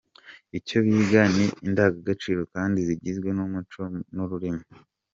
Icyo biga ni indagagaciro kandi zigizwe n’umuco n’ururimi.